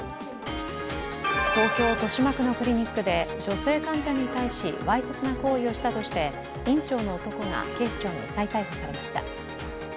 東京・豊島区のクリニックで女性患者に対しわいせつな行為をしたとして院長の男が警視庁に再逮捕されました。